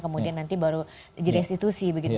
kemudian nanti baru di restitusi begitu